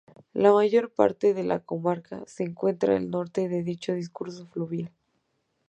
La mayor parte de la comarca se encuentra al norte de dicho curso fluvial.